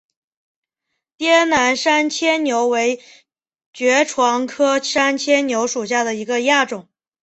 滇南山牵牛为爵床科山牵牛属下的一个亚种。